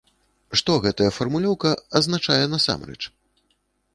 Што гэтая фармулёўка азначае насамрэч?